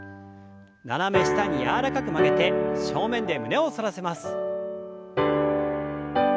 斜め下に柔らかく曲げて正面で胸を反らせます。